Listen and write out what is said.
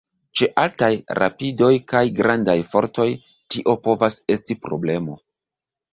Ĉe altaj rapidoj kaj grandaj fortoj tio povas esti problemo.